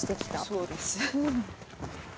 そうです。